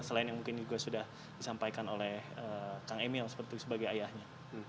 selain yang mungkin juga sudah disampaikan oleh kang emil seperti sebagai ayahnya